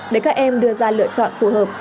để các em đưa ra lựa chọn phù hợp